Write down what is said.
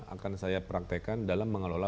akan saya praktekkan dalam mengelola